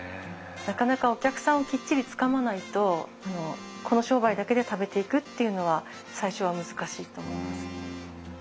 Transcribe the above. なかなかお客さんをきっちりつかまないとこの商売だけで食べていくっていうのは最初は難しいと思います。